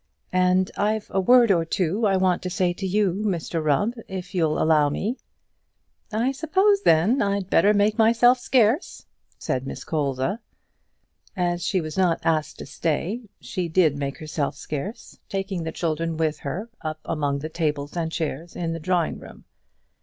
"And I've a word or two I want to say to you, Mr Rubb, if you'll allow me." "I suppose, then, I'd better make myself scarce," said Miss Colza. As she was not asked to stay, she did make herself scarce, taking the children with her up among the tables and chairs in the drawing room.